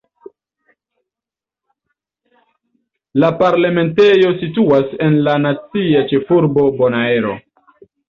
La parlamentejo situas en la nacia ĉefurbo Bonaero.